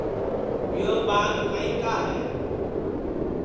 یو ٻاگ کائیں کا ہے